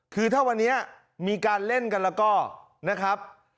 คือถ้าวันนี้มีการเล่นกันแล้วก็นะครับ